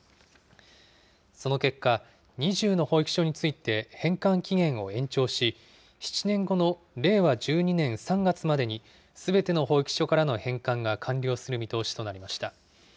その結果、２０の保育所について返還期限を延長し、７年後の令和１２年３月までにすべての保育所からの返還が完了する見通しとなりました。